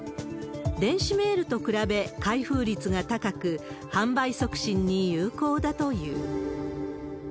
電子メールと比べ開封率が高く、販売促進に有効だという。